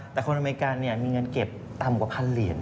แต่คนอเมริกามีเงินเก็บต่ำกว่าพันเหรียญ